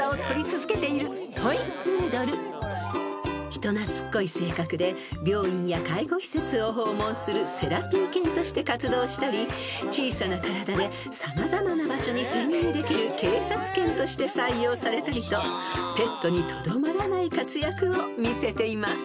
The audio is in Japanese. ［人懐っこい性格で病院や介護施設を訪問するセラピー犬として活動したり小さな体で様々な場所に潜入できる警察犬として採用されたりとペットにとどまらない活躍を見せています］